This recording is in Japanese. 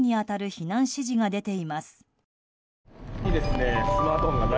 避難指示が出ています。